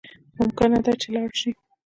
ممکنه ده چی لاړ شی